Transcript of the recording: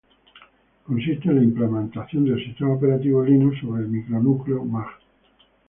Consiste en la implementación del sistema operativo Linux sobre el micronúcleo Mach.